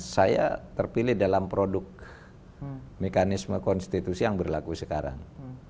saya terpilih dalam produk mekanisme konstitusi yang berlaku sekarang